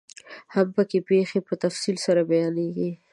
هم پکې پيښې په تفصیل سره بیانیږي.